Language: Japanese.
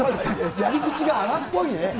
やり口が荒っぽいね。